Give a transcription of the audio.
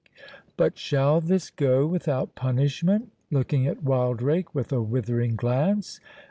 '—But shall this go without punishment?" looking at Wildrake with a withering glance.